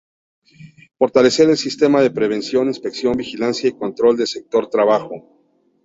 Fortalecer el Sistema de Prevención, Inspección, Vigilancia y Control del Sector Trabajo.